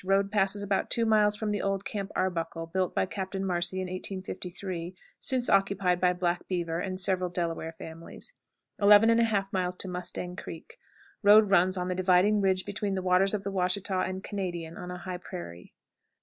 Road passes about two miles from the old "Camp Arbuckle," built by Captain Marcy in 1853, since occupied by Black Beaver and several Delaware families. 11 1/2. Mustang Creek. Road runs on the dividing ridge between the waters of the Washita and Canadian, on a high prairie.